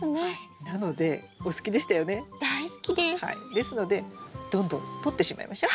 ですのでどんどんとってしまいましょう。